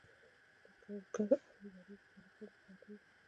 د کرکر د ډبرو سکرو کان په بغلان کې دی